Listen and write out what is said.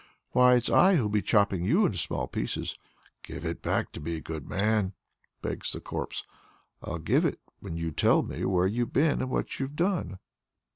"Why, it's I who'll be chopping you into small pieces!" "Do give it back to me, good man!" begs the corpse. "I'll give it when you tell me where you've been and what you've done."